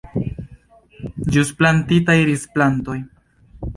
Ĵus plantitaj rizplantoj.